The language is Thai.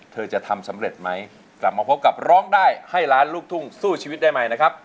เธอจะทำสำเร็จไหมกลับมาพบกับร้องได้ให้ล้านลูกทุ่งสู้ชีวิตได้ไหมนะครับ